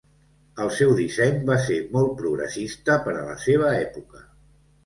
El seu disseny va ser molt progressista per a la seva època.